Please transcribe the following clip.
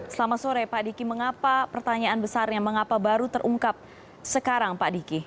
selamat sore pak diki mengapa pertanyaan besarnya mengapa baru terungkap sekarang pak diki